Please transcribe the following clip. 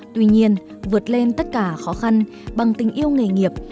tuy nhiên vượt lên tất cả khó khăn bằng tình yêu nghề nghiệp